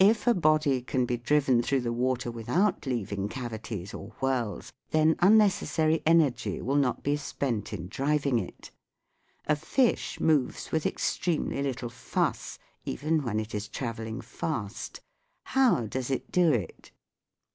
If a body can be driven through the water without leaving cavities or whirls, then unnecessary energy will not be spent in driving it. A fish moves with extremely little fuss, even when it is travelling fast. How does it do it